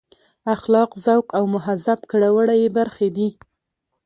اخلاق ذوق او مهذب کړه وړه یې برخې دي.